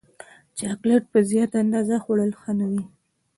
چاکلېټ په زیاته اندازه خوړل ښه نه دي.